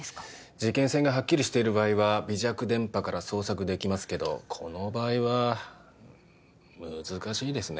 事件性がはっきりしてる場合は微弱電波から捜索できますけどこの場合は難しいですね